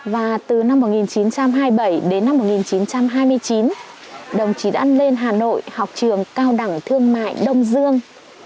và từ năm một nghìn chín trăm hai mươi bảy đến năm một nghìn chín trăm hai mươi chín đồng chí đã lên hà nội học trường cao đẳng thương mại đông dương